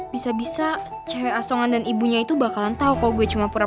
bisa bisa cewek asongan dan ibunya itu bakalan tau kalo gue cuma pura pura buta